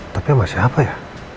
tapi sama siapa ya